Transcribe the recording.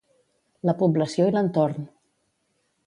La població i l'entorn